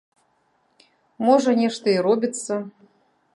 Можа, нешта і робіцца.